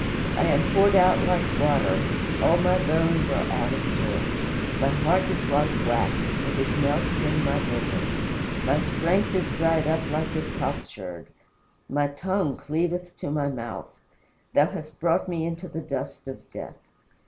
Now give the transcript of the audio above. I am poured out like water; all my bones are out of joint. My heart is like wax it is melted in my bosom. My strength is dried up like a potsherd. My tongue cleaveth to my mouth. Thou hast brought me into the dust of death.